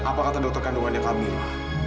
apa kata dokter kandungannya kami